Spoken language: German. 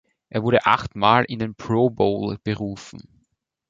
Er wurde achtmal in den Pro Bowl berufen.